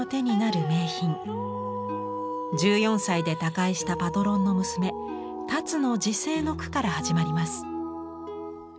１４歳で他界したパトロンの娘田鶴の辞世の句から始まります。